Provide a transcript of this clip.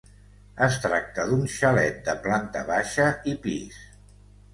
Es tracta d'un xalet de planta baixa i pis.